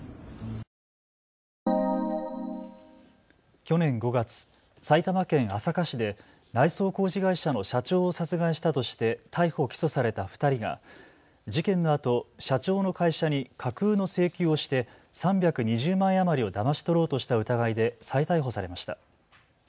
去年５月、埼玉県朝霞市で内装工事会社の社長を殺害したとして逮捕・起訴された２人が事件のあと社長の会社に架空の請求をして３２０万円余りをだまし取ろうとした疑いで再逮捕されました。